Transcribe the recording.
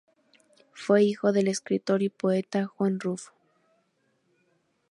Fue hijo del escritor y poeta Juan Rufo.